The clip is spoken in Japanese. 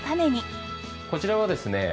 こちらはですね